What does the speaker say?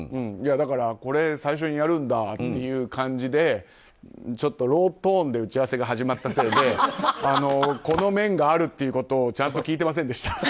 これを最初にやるんだっていう感じでロートーンで打ち合わせが始まったせいでこの面があるということをちゃんと聞いていませんでした。